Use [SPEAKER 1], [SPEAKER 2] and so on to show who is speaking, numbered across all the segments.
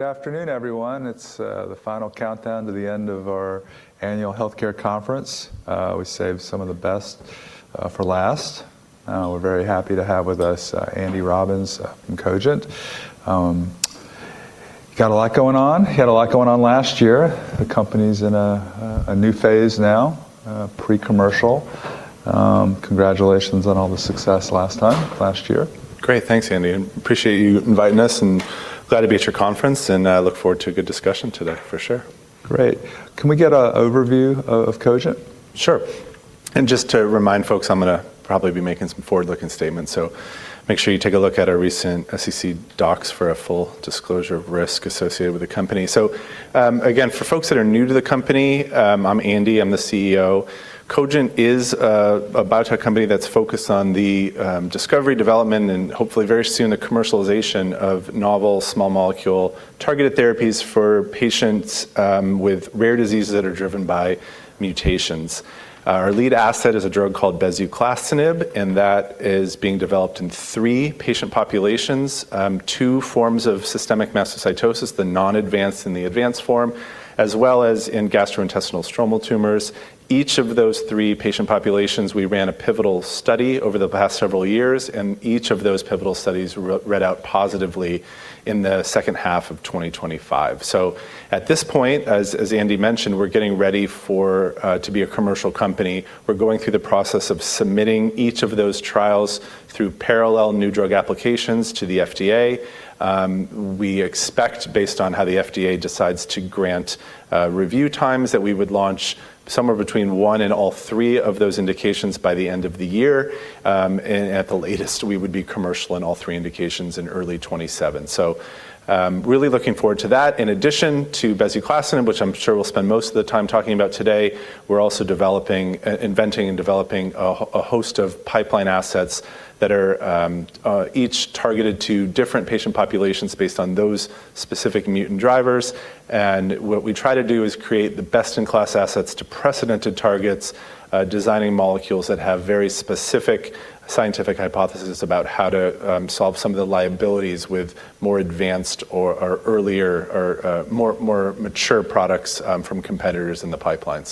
[SPEAKER 1] Good afternoon, everyone. It's the final countdown to the end of our Annual Healthcare Conference. We saved some of the best for last. We're very happy to have with us Andrew Robbins from Cogent. Got a lot going on. He had a lot going on last year. The company's in a new phase now, pre-commercial. Congratulations on all the success last time, last year.
[SPEAKER 2] Great. Thanks, Andy, and appreciate you inviting us, and glad to be at your conference, and I look forward to a good discussion today for sure.
[SPEAKER 1] Great. Can we get a overview of Cogent?
[SPEAKER 2] Sure. Just to remind folks, I'm gonna probably be making some forward-looking statements, so make sure you take a look at our recent SEC docs for a full disclosure of risk associated with the company. Again, for folks that are new to the company, I'm Andy, I'm the CEO. Cogent is a biotech company that's focused on the discovery, development, and hopefully very soon the commercialization of novel small molecule targeted therapies for patients with rare diseases that are driven by mutations. Our lead asset is a drug called bezuclastinib, and that is being developed in three patient populations, two forms of systemic mastocytosis, the non-advanced and the advanced form, as well as in gastrointestinal stromal tumors. Each of those three patient populations, we ran a pivotal study over the past several years, and each of those pivotal studies read out positively in the second half of 2025. At this point, as Andy mentioned, we're getting ready to be a commercial company. We're going through the process of submitting each of those trials through parallel new drug applications to the FDA. We expect based on how the FDA decides to grant review times that we would launch somewhere between one and all three of those indications by the end of the year. At the latest, we would be commercial in all three indications in early 2027. Really looking forward to that. In addition to bezuclastinib, which I'm sure we'll spend most of the time talking about today, we're also inventing and developing a host of pipeline assets that are each targeted to different patient populations based on those specific mutant drivers. What we try to do is create the best-in-class assets to precedented targets, designing molecules that have very specific scientific hypothesis about how to solve some of the liabilities with more advanced or earlier or more mature products from competitors in the pipeline.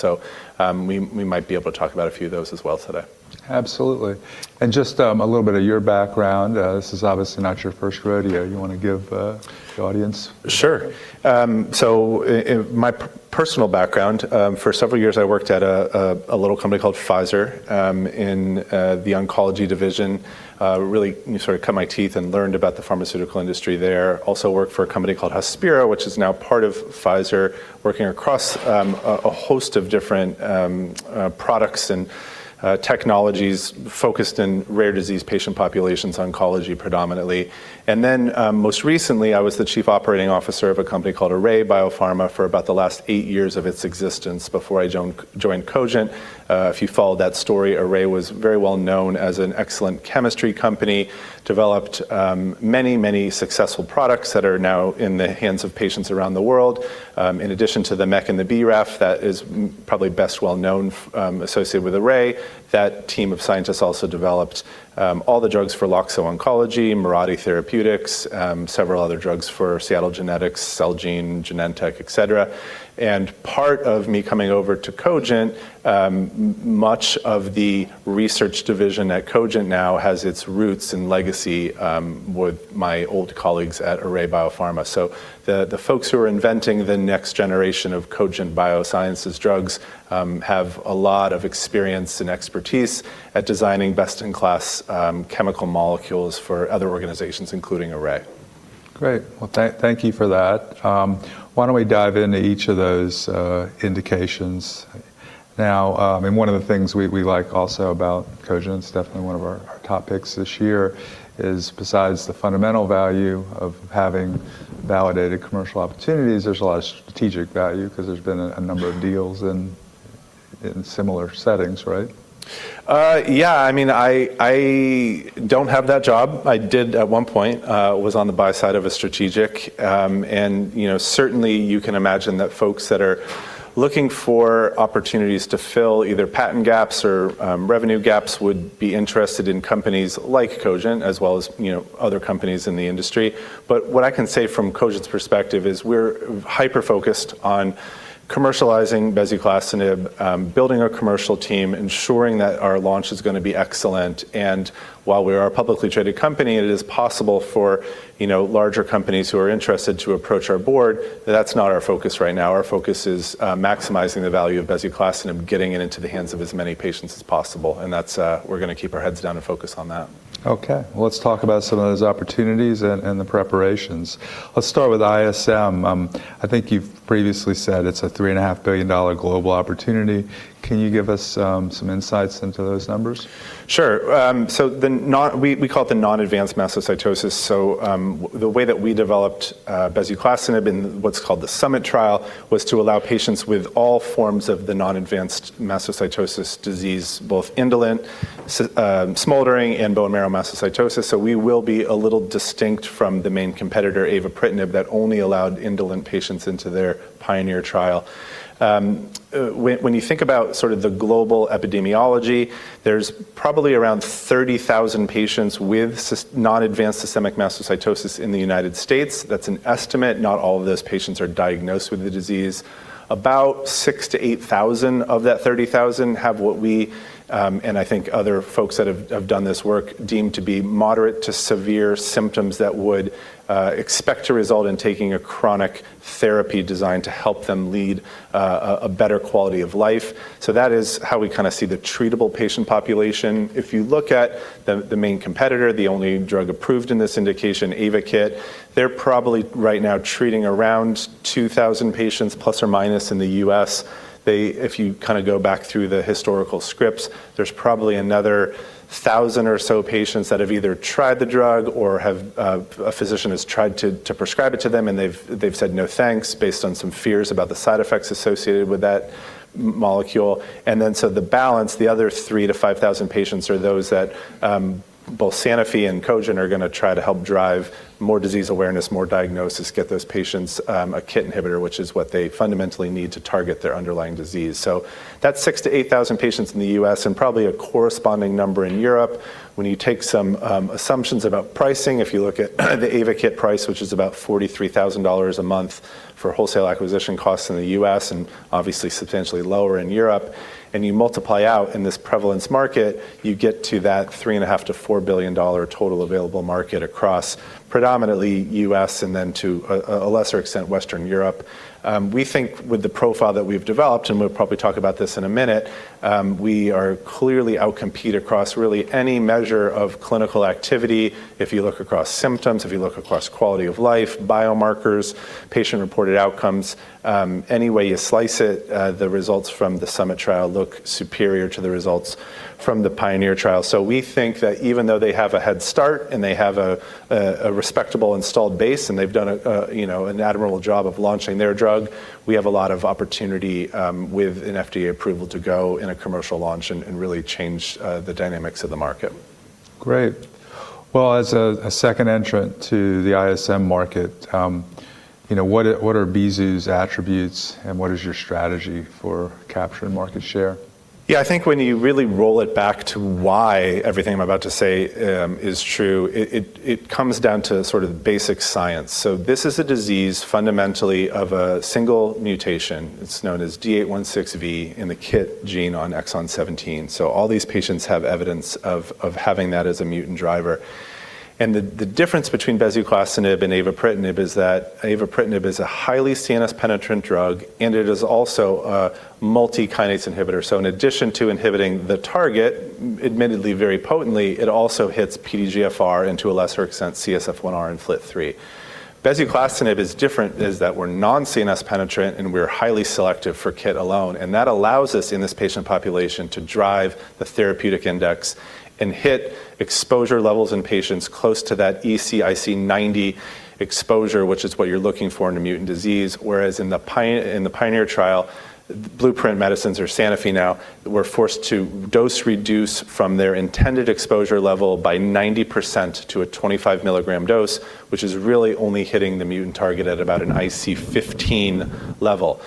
[SPEAKER 2] We might be able to talk about a few of those as well today.
[SPEAKER 1] Absolutely. Just a little bit of your background. This is obviously not your first rodeo. You wanna give the audience.
[SPEAKER 2] Sure. In my personal background, for several years I worked at a little company called Pfizer in the Oncology Division. Really, you know, sort of cut my teeth and learned about the pharmaceutical industry there. Also worked for a company called Hospira, which is now part of Pfizer, working across a host of different products and technologies focused in rare disease patient populations, oncology predominantly. Most recently, I was the Chief Operating Officer of a company called Array BioPharma for about the last eight years of its existence before I joined Cogent. If you followed that story, Array was very well known as an excellent chemistry company, developed many successful products that are now in the hands of patients around the world. In addition to the MEK and the BRAF that is most probably best well known for associated with Array, that team of scientists also developed all the drugs for Loxo Oncology, Mirati Therapeutics, several other drugs for Seattle Genetics, Celgene, Genentech, et cetera. Part of me coming over to Cogent, much of the research division at Cogent now has its roots and legacy with my old colleagues at Array BioPharma. The folks who are inventing the next generation of Cogent Biosciences drugs have a lot of experience and expertise at designing best-in-class chemical molecules for other organizations, including Array.
[SPEAKER 1] Great. Well, thank you for that. Why don't we dive into each of those indications now? One of the things we like also about Cogent, it's definitely one of our top picks this year, is besides the fundamental value of having validated commercial opportunities, there's a lot of strategic value because there's been a number of deals in similar settings, right?
[SPEAKER 2] I mean, I don't have that job. I did at one point, was on the buy side of a strategic. You know, certainly you can imagine that folks that are looking for opportunities to fill either patent gaps or revenue gaps would be interested in companies like Cogent as well as, you know, other companies in the industry. But what I can say from Cogent's perspective is we're hyper-focused on commercializing bezuclastinib, building our commercial team, ensuring that our launch is gonna be excellent. While we are a publicly traded company, it is possible for, you know, larger companies who are interested to approach our board, but that's not our focus right now. Our focus is maximizing the value of bezuclastinib, getting it into the hands of as many patients as possible, and that's we're gonna keep our heads down and focus on that.
[SPEAKER 1] Okay. Well, let's talk about some of those opportunities and the preparations. Let's start with ISM. I think you've previously said it's a $3.5 billion global opportunity. Can you give us some insights into those numbers?
[SPEAKER 2] Sure. We call it the non-advanced mastocytosis. The way that we developed bezuclastinib in what's called the SUMMIT trial was to allow patients with all forms of the non-advanced mastocytosis disease, both indolent, smoldering and bone marrow mastocytosis. We will be a little distinct from the main competitor, avapritinib, that only allowed indolent patients into their PIONEER trial. When you think about sort of the global epidemiology, there's probably around 30,000 patients with non-advanced systemic mastocytosis in the United States. That's an estimate. Not all of those patients are diagnosed with the disease. About 6,000-8,000 of that 30,000 have what we and I think other folks that have done this work deem to be moderate to severe symptoms that would expect to result in taking a chronic therapy designed to help them lead a better quality of life. That is how we kind of see the treatable patient population. If you look at the main competitor, the only drug approved in this indication, AYVAKIT, they're probably right now treating around ±2,000 patients in the U.S. If you kind of go back through the historical scripts, there's probably another 1,000 or so patients that have either tried the drug or a physician has tried to prescribe it to them and they've said, "No, thanks," based on some fears about the side effects associated with that molecule. The balance, the other 3,000-5,000 patients are those that both Sanofi and Cogent are gonna try to help drive more disease awareness, more diagnosis, get those patients a KIT inhibitor, which is what they fundamentally need to target their underlying disease. That's 6,000-8,000 patients in the U.S. and probably a corresponding number in Europe. When you take some assumptions about pricing, if you look at the AYVAKIT price, which is about $43,000 a month for wholesale acquisition costs in the U.S., and obviously substantially lower in Europe, and you multiply out in this prevalence market, you get to that $3.5 billion-$4 billion total available market across predominantly U.S. and then to a lesser extent, Western Europe. We think with the profile that we've developed, and we'll probably talk about this in a minute, we are clearly out-compete across really any measure of clinical activity. If you look across symptoms, if you look across quality of life, biomarkers, patient-reported outcomes, any way you slice it, the results from the SUMMIT trial look superior to the results from the PIONEER trial. We think that even though they have a head start, and they have a respectable installed base, and they've done a, you know, an admirable job of launching their drug, we have a lot of opportunity with an FDA approval to go in a commercial launch and really change the dynamics of the market.
[SPEAKER 1] Great. Well, as a second entrant to the ISM market, you know, what are Bezu's attributes, and what is your strategy for capturing market share?
[SPEAKER 2] I think when you really roll it back to why everything I'm about to say is true, it comes down to sort of basic science. This is a disease fundamentally of a single mutation. It's known as D816V in the KIT gene on exon 17. All these patients have evidence of having that as a mutant driver. The difference between bezuclastinib and avapritinib is that avapritinib is a highly CNS-penetrant drug, and it is also a multi-kinase inhibitor. In addition to inhibiting the target, admittedly very potently, it also hits PDGFR and to a lesser extent CSF1R and FLT3. Bezuclastinib is different is that we're non-CNS penetrant, and we're highly selective for KIT alone, and that allows us, in this patient population, to drive the therapeutic index and hit exposure levels in patients close to that EC-IC90 exposure, which is what you're looking for in a mutant disease. Whereas in the PIONEER trial, Blueprint Medicines or Sanofi now, were forced to dose reduce from their intended exposure level by 90% to a 25 mg dose, which is really only hitting the mutant target at about an IC15 level.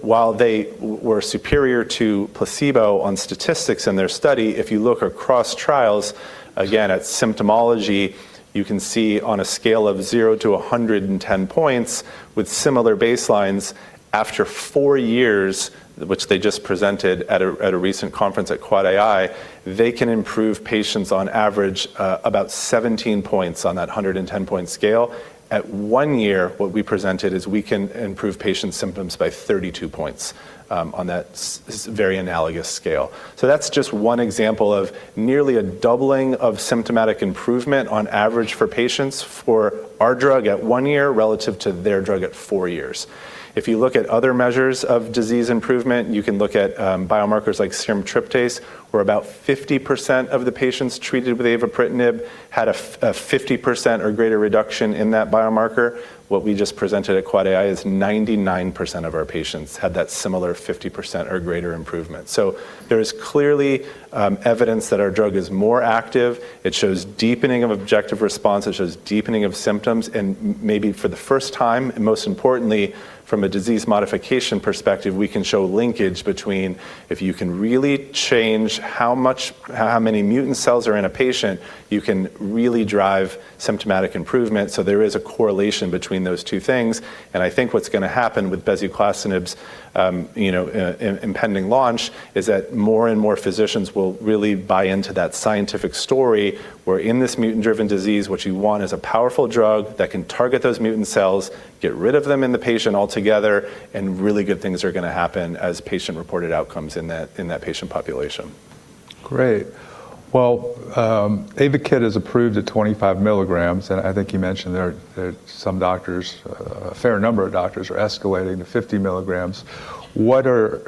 [SPEAKER 2] While they were superior to placebo statistically in their study, if you look across trials, again at symptomatology, you can see on a scale of 0 to 110 points with similar baselines after four years, which they just presented at a recent conference at Quad AI, they can improve patients on average about 17 points on that 110-point scale. At one year, what we presented is we can improve patients' symptoms by 32 points on that very analogous scale. That's just one example of nearly a doubling of symptomatic improvement on average for patients for our drug at one year relative to their drug at four years. If you look at other measures of disease improvement, you can look at biomarkers like serum tryptase, where about 50% of the patients treated with avapritinib had a 50% or greater reduction in that biomarker. What we just presented at Quad AI is 99% of our patients had that similar 50% or greater improvement. There is clearly evidence that our drug is more active. It shows deepening of objective response. It shows deepening of symptoms. Maybe for the first time, and most importantly, from a disease modification perspective, we can show linkage between if you can really change how many mutant cells are in a patient, you can really drive symptomatic improvement. There is a correlation between those two things, and I think what's gonna happen with bezuclastinib's, you know, impending launch is that more and more physicians will really buy into that scientific story where in this mutant-driven disease, what you want is a powerful drug that can target those mutant cells, get rid of them in the patient altogether, and really good things are gonna happen as patient-reported outcomes in that, in that patient population.
[SPEAKER 1] Great. Well, AYVAKIT is approved at 25 mg, and I think you mentioned there are some doctors, a fair number of doctors are escalating to 50 mg.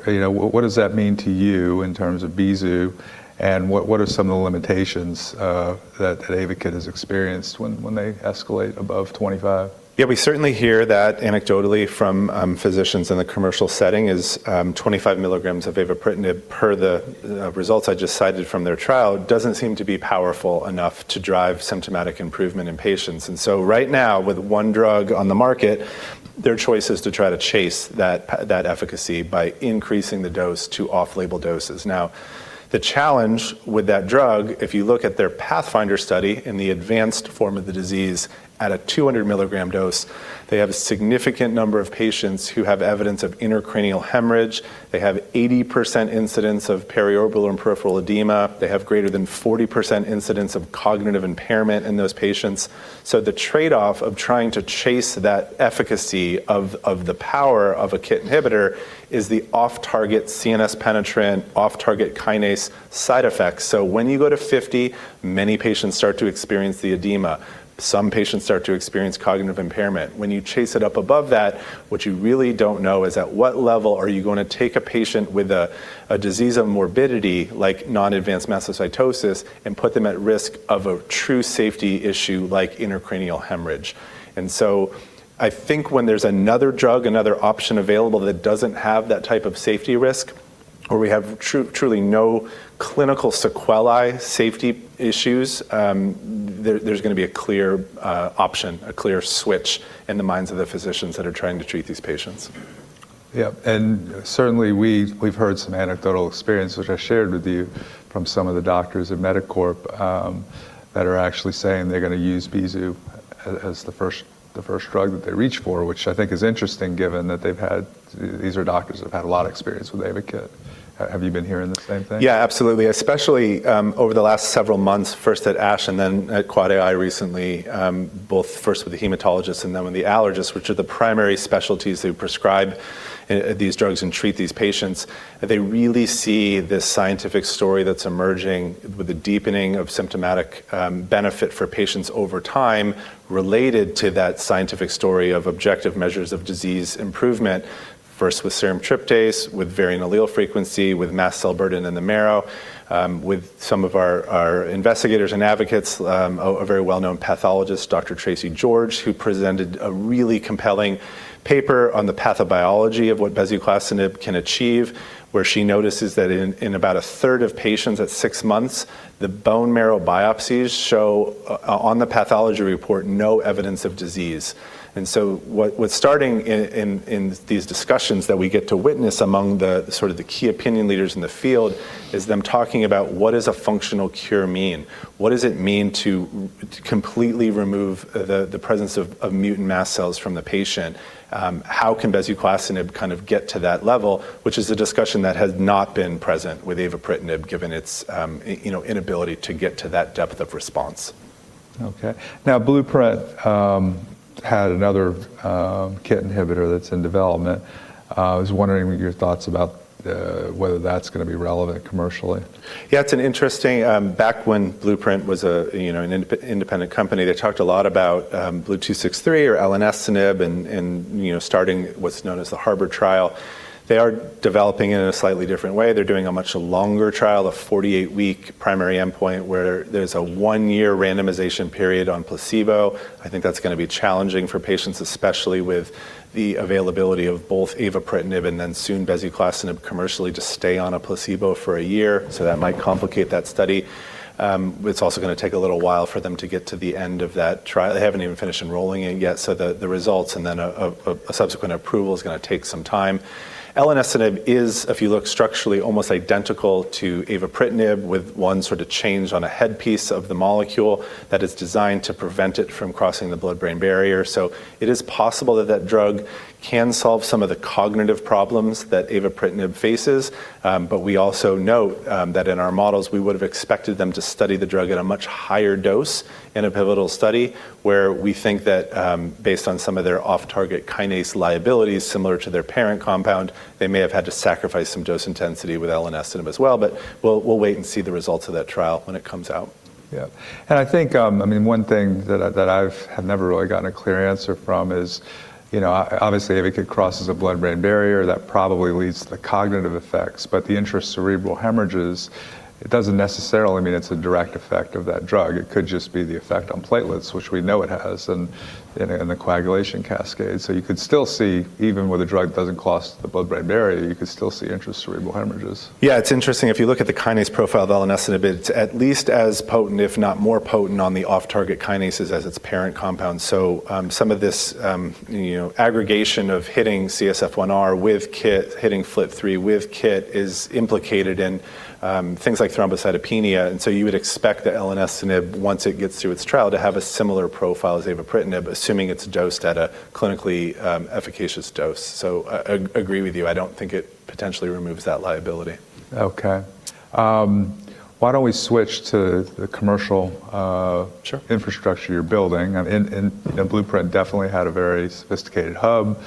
[SPEAKER 1] You know, what does that mean to you in terms of Bezu, and what are some of the limitations that AYVAKIT has experienced when they escalate above 25 mg?
[SPEAKER 2] Yeah, we certainly hear that anecdotally from physicians in the commercial setting is 25 mg of avapritinib, per the results I just cited from their trial, doesn't seem to be powerful enough to drive symptomatic improvement in patients. Right now, with one drug on the market, their choice is to try to chase that efficacy by increasing the dose to off-label doses. The challenge with that drug, if you look at their PATHFINDER study in the advanced form of the disease at a two hundred milligram dose, they have a significant number of patients who have evidence of intracranial hemorrhage. They have 80% incidence of periorbital and peripheral edema. They have greater than 40% incidence of cognitive impairment in those patients. The trade-off of trying to chase that efficacy of the power of a KIT inhibitor is the off-target CNS penetrant, off-target kinase side effects. When you go to 50, many patients start to experience the edema. Some patients start to experience cognitive impairment. When you chase it up above that, what you really don't know is at what level are you gonna take a patient with a disease of morbidity like non-advanced mastocytosis and put them at risk of a true safety issue like intracranial hemorrhage. I think when there's another drug, another option available that doesn't have that type of safety risk, or we have truly no clinical sequelae safety issues, there's gonna be a clear option, a clear switch in the minds of the physicians that are trying to treat these patients.
[SPEAKER 1] Yep. Certainly, we've heard some anecdotal experience, which I shared with you from some of the doctors at ECNM that are actually saying they're gonna use Bezu as the first drug that they reach for, which I think is interesting given that they've had a lot of experience with AYVAKIT. These are doctors that have had a lot of experience with AYVAKIT. Have you been hearing the same thing?
[SPEAKER 2] Yeah, absolutely. Especially over the last several months, first at ASH and then at Quad AI recently, both first with the hematologists and then with the allergists, which are the primary specialties who prescribe these drugs and treat these patients, they really see this scientific story that's emerging with the deepening of symptomatic benefit for patients over time related to that scientific story of objective measures of disease improvement, first with serum tryptase, with variant allele frequency, with mast cell burden in the marrow, with some of our investigators and advocates, a very well-known pathologist, Dr. Tracy George, who presented a really compelling paper on the pathobiology of what bezuclastinib can achieve, where she notices that in about a third of patients at six months, the bone marrow biopsies show on the pathology report no evidence of disease. What's starting in these discussions that we get to witness among the key opinion leaders in the field is them talking about what does a functional cure mean? What does it mean to completely remove the presence of mutant mast cells from the patient? How can bezuclastinib kind of get to that level, which is a discussion that has not been present with avapritinib, given its inability to get to that depth of response.
[SPEAKER 1] Okay. Now, Blueprint had another KIT inhibitor that's in development. I was wondering your thoughts about whether that's gonna be relevant commercially.
[SPEAKER 2] Yeah, it's interesting. Back when Blueprint was a, you know, an independent company, they talked a lot about BLU-263 or elenestinib and, you know, starting what's known as the HARBOR trial. They are developing it in a slightly different way. They're doing a much longer trial, a 48-week primary endpoint, where there's a one-year randomization period on placebo. I think that's gonna be challenging for patients, especially with the availability of both avapritinib and then soon bezuclastinib commercially to stay on a placebo for a year. So that might complicate that study. It's also gonna take a little while for them to get to the end of that trial. They haven't even finished enrolling it yet, so the results and then a subsequent approval is gonna take some time. Elenestinib is, if you look structurally, almost identical to avapritinib with one sort of change on a head piece of the molecule that is designed to prevent it from crossing the blood-brain barrier. It is possible that that drug can solve some of the cognitive problems that avapritinib faces. But we also know that in our models, we would have expected them to study the drug at a much higher dose in a pivotal study, where we think that based on some of their off-target kinase liabilities similar to their parent compound, they may have had to sacrifice some dose intensity with elenestinib as well. We'll wait and see the results of that trial when it comes out.
[SPEAKER 1] I think, I mean, one thing that I've had never really gotten a clear answer from is, you know, obviously, if it crosses a blood-brain barrier, that probably leads to the cognitive effects. The intracranial hemorrhages, it doesn't necessarily mean it's a direct effect of that drug. It could just be the effect on platelets, which we know it has in a coagulation cascade. You could still see even where the drug doesn't cross the blood-brain barrier, you could still see intracranial hemorrhages.
[SPEAKER 2] Yeah, it's interesting. If you look at the kinase profile of elenestinib, it's at least as potent, if not more potent, on the off-target kinases as its parent compound. Some of this, you know, aggregation of hitting CSF1R with KIT, hitting FLT3 with KIT is implicated in things like thrombocytopenia. You would expect the elenestinib, once it gets through its trial, to have a similar profile as avapritinib, assuming it's dosed at a clinically efficacious dose. I agree with you. I don't think it potentially removes that liability.
[SPEAKER 1] Okay. Why don't we switch to the commercial-
[SPEAKER 2] Sure
[SPEAKER 1] ...infrastructure you're building? Blueprint definitely had a very sophisticated hub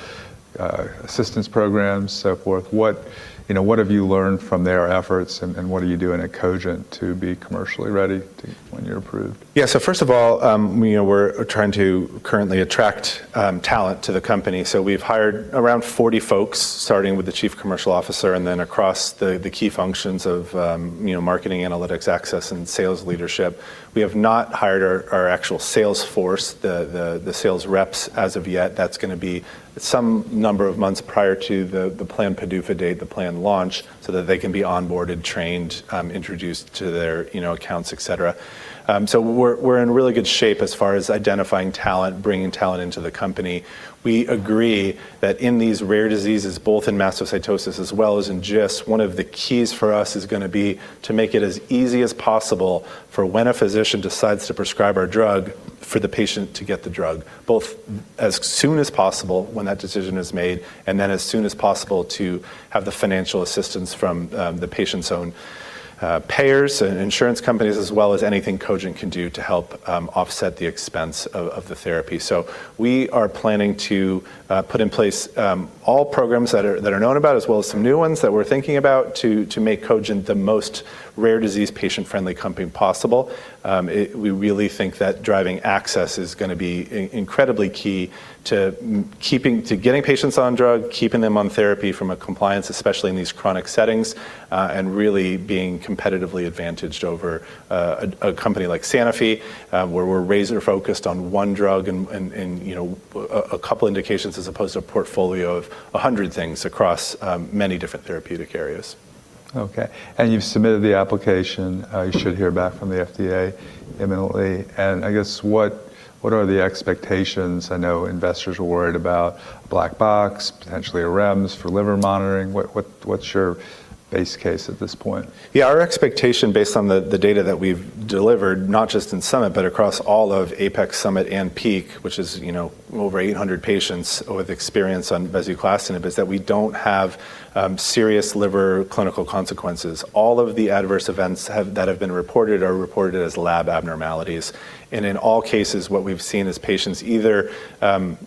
[SPEAKER 1] assistance programs, so forth. What, you know, what have you learned from their efforts, and what are you doing at Cogent to be commercially ready to when you're approved?
[SPEAKER 2] Yeah. First of all, you know, we're trying to currently attract talent to the company. We've hired around 40 folks, starting with the Chief Commercial Officer and then across the key functions of, you know, marketing, analytics, access, and sales leadership. We have not hired our actual sales force, the sales reps as of yet. That's gonna be some number of months prior to the planned PDUFA date, the planned launch, so that they can be onboarded, trained, introduced to their, you know, accounts, etc. We're in really good shape as far as identifying talent, bringing talent into the company. We agree that in these rare diseases, both in mastocytosis as well as in GIST, one of the keys for us is gonna be to make it as easy as possible for when a physician decides to prescribe our drug for the patient to get the drug, both as soon as possible when that decision is made and then as soon as possible to have the financial assistance from, the patient's own payers and insurance companies, as well as anything Cogent can do to help, offset the expense of the therapy. We are planning to put in place all programs that are known about, as well as some new ones that we're thinking about to make Cogent the most rare disease patient-friendly company possible. We really think that driving access is gonna be incredibly key to getting patients on drug, keeping them on therapy from a compliance, especially in these chronic settings, and really being competitively advantaged over a company like Sanofi, where we're razor-focused on one drug and, you know, a couple indications as opposed to a portfolio of a hundred things across many different therapeutic areas.
[SPEAKER 1] Okay. You've submitted the application. You should hear back from the FDA imminently. I guess what are the expectations? I know investors are worried about black box, potentially a REMS for liver monitoring. What's your base case at this point?
[SPEAKER 2] Yeah, our expectation based on the data that we've delivered, not just in SUMMIT, but across all of APEX, SUMMIT, and PEAK, which is, you know, over 800 patients with experience on bezuclastinib, is that we don't have serious liver clinical consequences. All of the adverse events that have been reported are reported as lab abnormalities. In all cases, what we've seen is patients either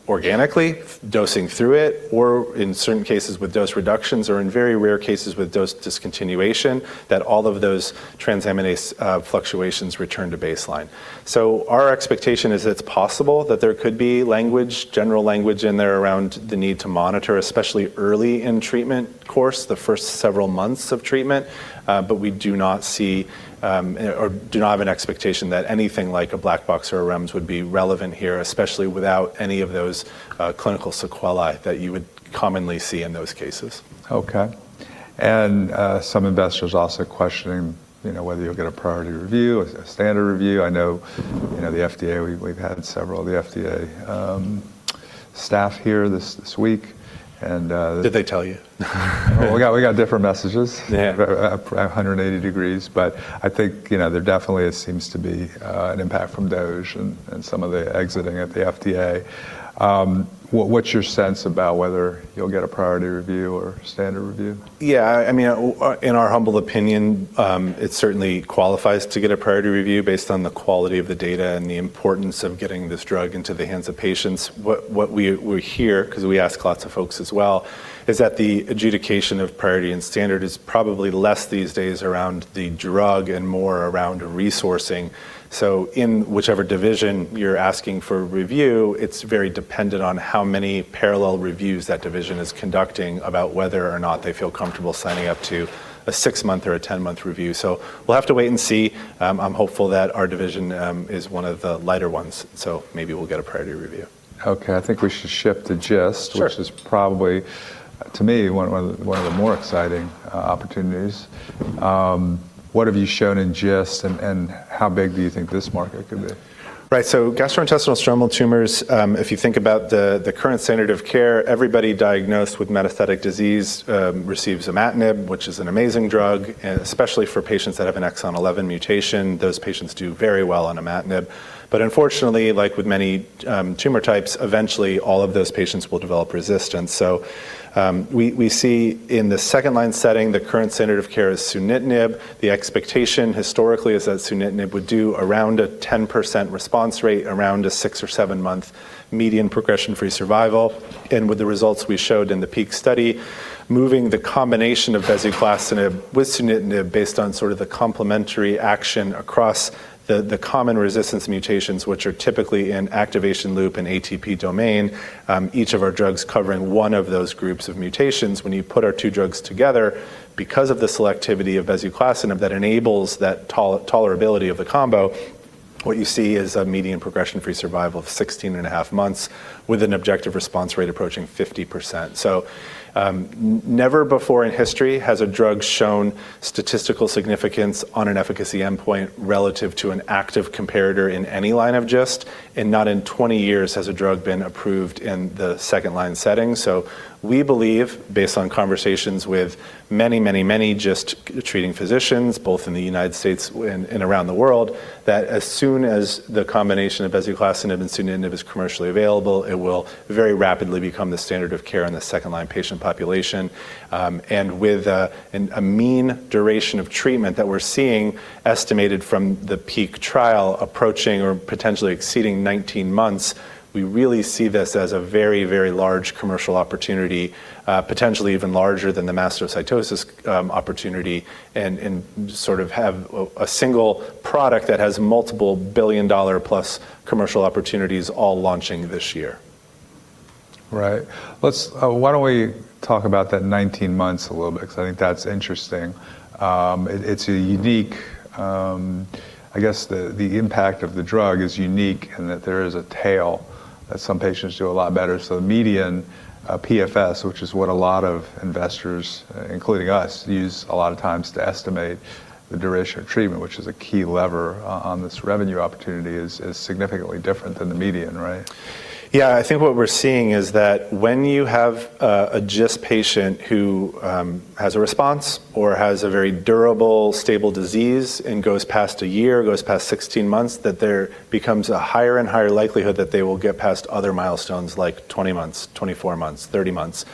[SPEAKER 2] organically dosing through it or in certain cases with dose reductions or in very rare cases with dose discontinuation, that all of those transaminase fluctuations return to baseline. Our expectation is it's possible that there could be language, general language in there around the need to monitor, especially early in treatment course, the first several months of treatment. We do not see, or do not have an expectation that anything like a black box or a REMS would be relevant here, especially without any of those clinical sequelae that you would commonly see in those cases.
[SPEAKER 1] Okay. Some investors also questioning, you know, whether you'll get a priority review, a standard review. I know, you know, the FDA. We've had several of the FDA staff here this week, and
[SPEAKER 2] Did they tell you?
[SPEAKER 1] We got different messages. 180 degrees. I think, you know, there definitely seems to be an impact from DOGE and some of the exiting at the FDA. What's your sense about whether you'll get a priority review or standard review?
[SPEAKER 2] I mean, in our humble opinion, it certainly qualifies to get a priority review based on the quality of the data and the importance of getting this drug into the hands of patients. What we hear, 'cause we ask lots of folks as well, is that the adjudication of priority and standard is probably less these days around the drug and more around resourcing. In whichever division you're asking for review, it's very dependent on how many parallel reviews that division is conducting about whether or not they feel comfortable signing up to a six-month or a 10-month review. We'll have to wait and see. I'm hopeful that our division is one of the lighter ones, so maybe we'll get a priority review.
[SPEAKER 1] Okay, I think we should shift to GIST-
[SPEAKER 2] Sure
[SPEAKER 1] ...which is probably, to me, one of the more exciting opportunities. What have you shown in GIST and how big do you think this market could be?
[SPEAKER 2] Right. Gastrointestinal stromal tumors, if you think about the current standard of care, everybody diagnosed with metastatic disease receives imatinib, which is an amazing drug, especially for patients that have an exon 11 mutation. Those patients do very well on imatinib. Unfortunately, like with many tumor types, eventually all of those patients will develop resistance. We see in the second line setting, the current standard of care is sunitinib. The expectation historically is that sunitinib would do around a 10% response rate, around a six or seven-month median progression-free survival. With the results we showed in the PEAK study, moving the combination of bezuclastinib with sunitinib based on sort of the complementary action across the common resistance mutations, which are typically in activation loop and ATP-binding domain, each of our drugs covering one of those groups of mutations. When you put our two drugs together, because of the selectivity of bezuclastinib that enables that tolerability of the combo, what you see is a median progression-free survival of 16.5 months with an objective response rate approaching 50%. Never before in history has a drug shown statistical significance on an efficacy endpoint relative to an active comparator in any line of GIST, and not in 20 years has a drug been approved in the second line setting. We believe, based on conversations with many GIST-treating physicians, both in the United States and around the world, that as soon as the combination of bezuclastinib and sunitinib is commercially available, it will very rapidly become the standard of care in the second-line patient population. With a mean duration of treatment that we're seeing estimated from the PEAK trial approaching or potentially exceeding 19 months, we really see this as a very, very large commercial opportunity, potentially even larger than the mastocytosis opportunity and sort of have a single product that has multiple billion-dollar-plus commercial opportunities all launching this year.
[SPEAKER 1] Right. Why don't we talk about that 19 months a little bit because I think that's interesting. It's a unique. I guess the impact of the drug is unique in that there is a tail, that some patients do a lot better. Median PFS, which is what a lot of investors, including us, use a lot of times to estimate the duration of treatment, which is a key lever on this revenue opportunity, is significantly different than the median, right?
[SPEAKER 2] I think what we're seeing is that when you have a GIST patient who has a response or has a very durable, stable disease and goes past a year, goes past 16 months, that there becomes a higher and higher likelihood that they will get past other milestones like 20 months, 24 months, 30 months.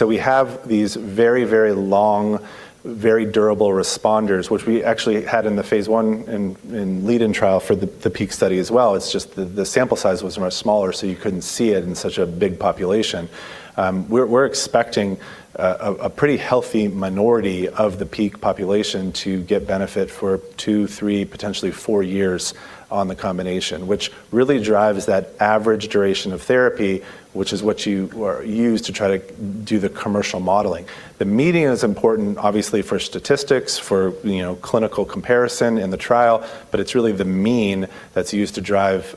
[SPEAKER 2] We have these very, very long, very durable responders, which we actually had in the phase I lead-in trial for the PEAK study as well. It's just the sample size was much smaller, so you couldn't see it in such a big population. We're expecting a pretty healthy minority of the PEAK population to get benefit for two, three, potentially four years on the combination, which really drives that average duration of therapy, which is what you use to try to do the commercial modeling. The median is important, obviously, for statistics, you know, clinical comparison in the trial, but it's really the mean that's used to drive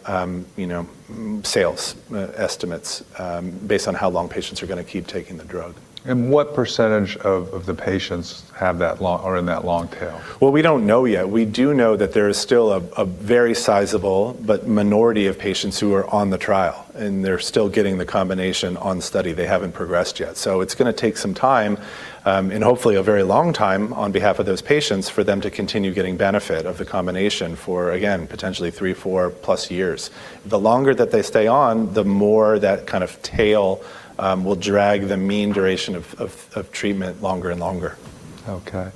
[SPEAKER 2] you know, sales estimates based on how long patients are going to keep taking the drug.
[SPEAKER 1] What percentage of the patients are in that long tail?
[SPEAKER 2] Well, we don't know yet. We do know that there is still a very sizable but minority of patients who are on the trial, and they're still getting the combination on study. They haven't progressed yet. It's going to take some time, and hopefully a very long time on behalf of those patients for them to continue getting benefit of the combination for, again, potentially three, four plus years. The longer that they stay on, the more that kind of tail will drag the mean duration of treatment longer and longer.
[SPEAKER 1] Okay.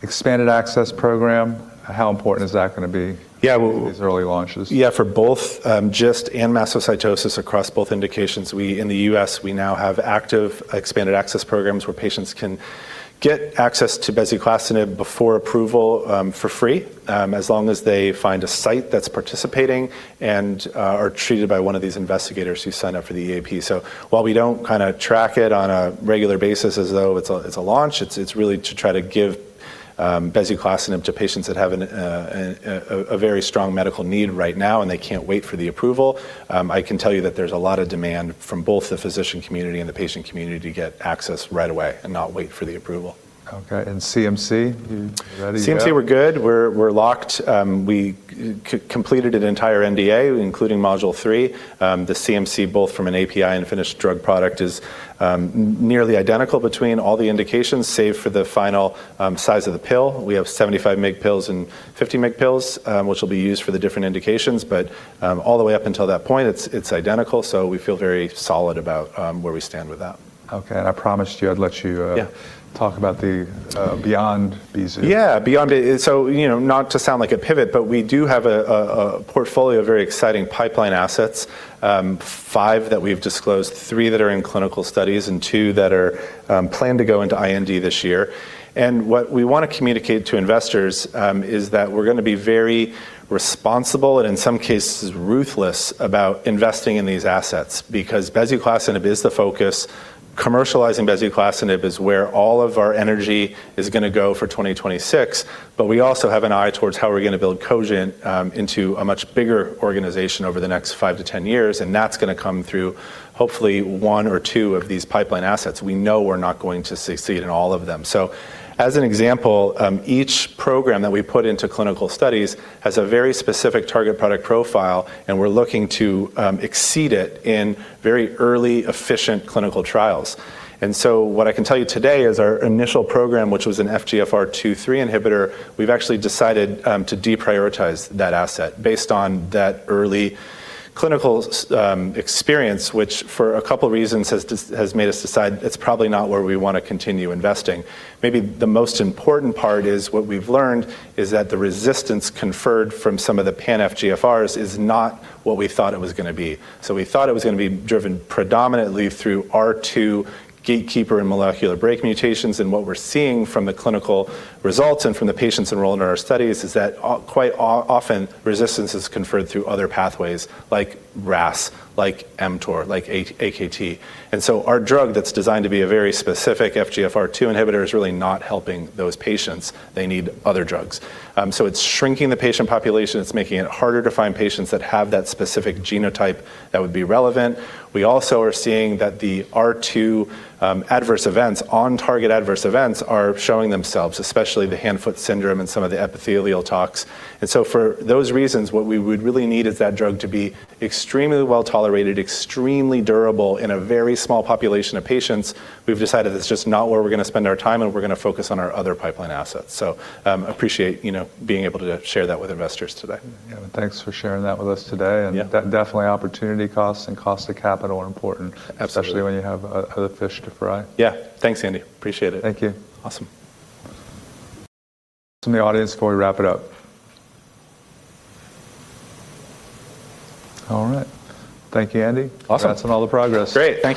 [SPEAKER 1] Expanded Access Program, how important is that going to be?-
[SPEAKER 2] Well
[SPEAKER 1] ...for these early launches?
[SPEAKER 2] Yeah, for both, GIST and mastocytosis across both indications, in the U.S., we now have active expanded access programs where patients can get access to bezuclastinib before approval, for free, as long as they find a site that's participating and are treated by one of these investigators who sign up for the EAP. While we don't kinda track it on a regular basis as though it's a launch, it's really to try to give bezuclastinib to patients that have a very strong medical need right now, and they can't wait for the approval. I can tell you that there's a lot of demand from both the physician community and the patient community to get access right away and not wait for the approval.
[SPEAKER 1] Okay. CMC, you ready yet?
[SPEAKER 2] CMC, we're good. We're locked. We completed an entire NDA, including Module 3. The CMC, both from an API and finished drug product, is nearly identical between all the indications, save for the final size of the pill. We have 75 mg pills and 50 mg pills, which will be used for the different indications. All the way up until that point, it's identical, so we feel very solid about where we stand with that.
[SPEAKER 1] Okay. I promised you I'd let you....talk about the beyond Bezu.
[SPEAKER 2] Beyond it is so, you know, not to sound like a pivot, but we do have a portfolio of very exciting pipeline assets, five that we've disclosed, three that are in clinical studies, and two that are planned to go into IND this year. What we want to communicate to investors is that we're going to be very responsible and, in some cases, ruthless about investing in these assets because bezuclastinib is the focus. Commercializing bezuclastinib is where all of our energy is going to go for 2026, but we also have an eye towards how we're going to build Cogent into a much bigger organization over the next five to 10 years, and that's going to come through hopefully one or two of these pipeline assets. We know we're not going to succeed in all of them. As an example, each program that we put into clinical studies has a very specific target product profile, and we're looking to exceed it in very early, efficient clinical trials. What I can tell you today is our initial program, which was an FGFR2/3 inhibitor, we've actually decided to deprioritize that asset based on that early clinical experience, which for a couple reasons has made us decide it's probably not where we want to continue investing. Maybe the most important part is what we've learned is that the resistance conferred from some of the pan-FGFRs is not what we thought it was going to be. We thought it was going to be driven predominantly through FGFR2 gatekeeper and molecular brake mutations, and what we're seeing from the clinical results and from the patients enrolled in our studies is that, quite often resistance is conferred through other pathways like RAS, like mTOR, like AKT. Our drug that's designed to be a very specific FGFR2 inhibitor is really not helping those patients. They need other drugs. It's shrinking the patient population. It's making it harder to find patients that have that specific genotype that would be relevant. We also are seeing that the FGFR2, adverse events, on-target adverse events, are showing themselves, especially the hand-foot syndrome and some of the epithelial tox. For those reasons, what we would really need is that drug to be extremely well-tolerated, extremely durable in a very small population of patients. We've decided it's just not where we're going to spend our time, and we're going to focus on our other pipeline assets. Appreciate, you know, being able to share that with investors today.
[SPEAKER 1] Thanks for sharing that with us today. Definitely opportunity costs and cost of capital are important.
[SPEAKER 2] Absolutely
[SPEAKER 1] Especially when you have other fish to fry.
[SPEAKER 2] Yeah. Thanks, Andy. Appreciate it.
[SPEAKER 1] Thank you.
[SPEAKER 2] Awesome.
[SPEAKER 1] From the audience before we wrap it up. All right. Thank you, Andy.
[SPEAKER 2] Awesome.
[SPEAKER 1] Congrats on all the progress.
[SPEAKER 2] Great. Thank you.